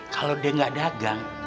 kalo dia gak dagang